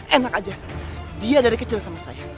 enak aja dia dari kecil sama saya